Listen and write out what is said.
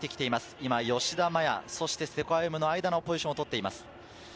今、吉田麻也、瀬古歩夢の間のポジションをとっています。